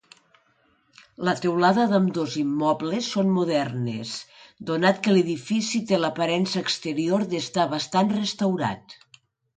La teulada d'ambdós immobles són modernes, donat que l'edifici té l'aparença exterior d'estar bastant restaurat.